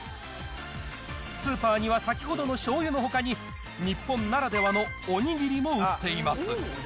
スーパーには先ほどのしょうゆのほかに、日本ならではのおにぎりも売っています。